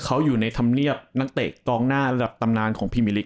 เขาอยู่ในธรรมเนียบนักเตะกองหน้าระดับตำนานของพิมิลิก